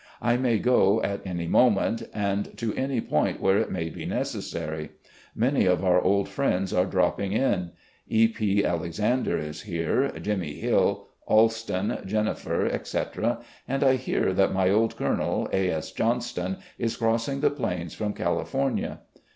I may go at any moment, and to any point where it may be necessary. ... Many of oiu: old friends are dropping in. E. P. Alexander is here, Jimmy Hill, Alston, Jenifer, etc., and I hear that my old colonel, A. S. Johnston, is crossing the plains from California.